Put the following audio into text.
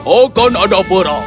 akan ada perang